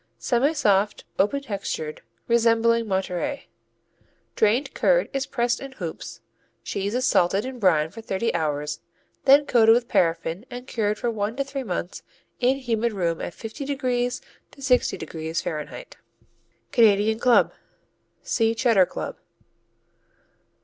_ Semisoft; open textured, resembling Monterey. Drained curd is pressed in hoops, cheese is salted in brine for thirty hours, then coated with paraffin and cured for one to three months in humid room at 50° to 60° F. Canadian Club see Cheddar Club.